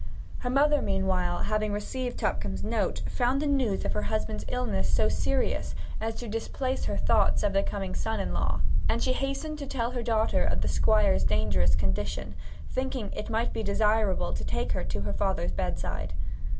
Her mother meanwhile, having received Tupcombe's note, found the news of her husband's illness so serious, as to displace her thoughts of the coming son in law, and she hastened to tell her daughter of the Squire's dangerous condition, thinking it might be desirable to take her to her father's bedside.